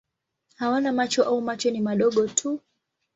Hawana macho au macho ni madogo tu.